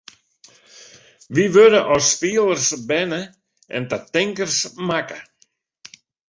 Wy wurde as fielers berne en ta tinkers makke.